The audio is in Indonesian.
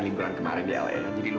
lihat siapa ini ma